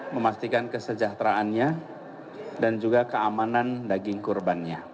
memastikan kesejahteraannya dan juga keamanan daging kurbannya